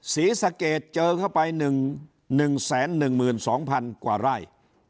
ศรีสักเกตเจอเข้าไปหนึ่งหนึ่งแสนหนึ่งหมื่นสองพันกว่าไร่